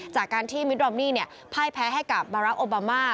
จากการที่มิดดอมนี่พ่ายแพ้ให้กับบาราโอบามา